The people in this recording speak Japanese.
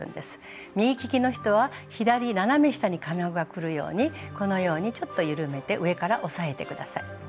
右利きの人は左斜め下に金具がくるようにこのようにちょっと緩めて上から押さえて下さい。